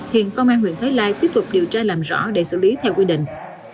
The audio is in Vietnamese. hiện công an huyện thái lai tiếp tục điều tra làm rõ để xử lý theo quy định